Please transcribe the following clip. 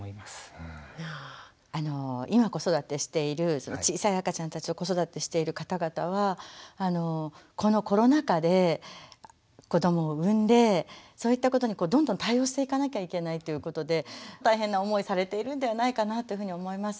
今子育てしている小さい赤ちゃんたちを子育てしている方々はこのコロナ禍で子どもを産んでそういったことにどんどん対応していかなきゃいけないっていうことで大変な思いされているんではないかなというふうに思います。